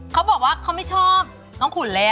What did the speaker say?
เขาบอกว่าเขาไม่ชอบน้องขุนเลย